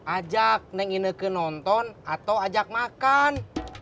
ajak neng ineke nonton atau ajak makan